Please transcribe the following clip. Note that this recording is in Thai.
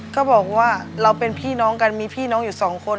ก็บอกว่าเราเป็นพี่น้องกันมีพี่น้องอยู่สองคน